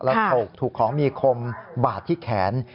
แล้วถูกของมีคมบาดที่แขน